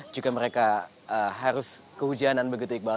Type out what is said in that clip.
juga mereka harus kehujanan begitu iqbal